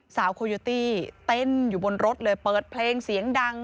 โคโยตี้เต้นอยู่บนรถเลยเปิดเพลงเสียงดัง